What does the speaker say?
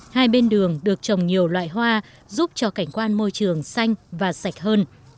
hai bên đường được trồng nhiều loại hoa giúp cho cảnh quan môi trường xanh và sạch hơn